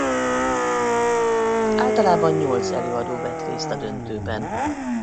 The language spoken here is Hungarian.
Általában nyolc előadó vett részt a döntőben.